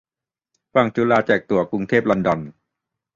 ฝั่งจุฬาแจกตั๋วกรุงเทพ-ลอนดอน